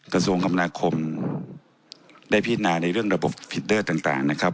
กระทรวงคำนาคมได้พินาในเรื่องระบบฟีดเดอร์ต่างนะครับ